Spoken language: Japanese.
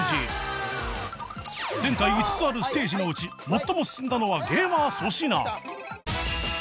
前回５つあるステージのうち最も進んだのはゲーマー粗品！